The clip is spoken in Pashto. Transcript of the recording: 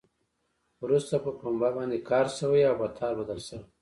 وروسته په پنبه باندې کار شوی او په تار بدل شوی.